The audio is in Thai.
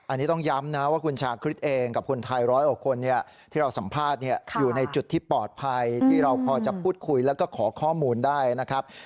อันนี้ต้องย้ำนะว่าคุณชาคริสเองกับคนไทยร้อยกว่าคนที่เราสัมภาษณ์อยู่ในจุดที่ปลอดภัยที่เราพอจะพูดคุยแล้วก็ขอข้อมูลได้นะครับ